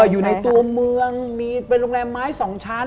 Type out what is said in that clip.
อยู่ในตัวเมืองมีเป็นโรงแรมไม้๒ชั้น